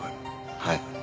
はい。